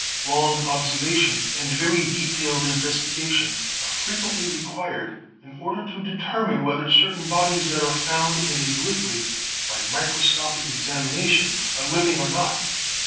Long observation and very detailed investigation are frequently required in order to determine whether certain bodies that are found in a liquid by microscopic examination are living or not.